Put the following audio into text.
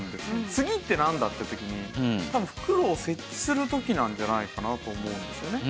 「次」ってなんだ？って時に多分袋を設置する時なんじゃないかなと思うんですよね。